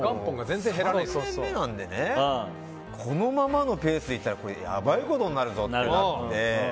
このままのペースで行ったらこれ、やばいことになるぞって。